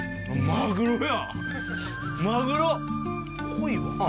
マグロや。